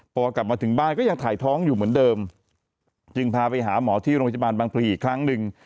พอกลับมาถึงบ้านก็ยังถ่ายท้องอยู่เหมือนเดิมจึงพาไปหาหมอที่โรงพยาบาลบางพลีอีกครั้งหนึ่ง